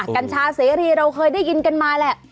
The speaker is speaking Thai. กัญชาเสรีเราเคยได้ยินกันมาแหละ